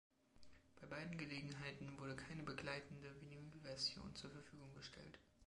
Bei beiden Gelegenheiten wurde keine begleitende Vinylversion zur Verfügung gestellt.